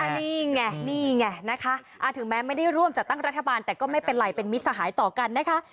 นี่ไงนี่ไงนะคะถึงแม้ไม่ได้ร่วมจัดตั้งรัฐบาลแต่ก็ไม่เป็นไรเป็นมิตรสหายต่อกันนะคะ